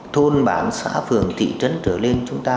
thôn bản xã phường thị trấn trở lên chúng ta